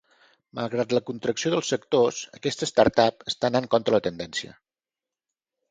Malgrat la contracció dels sectors, aquesta startup està anant contra la tendència.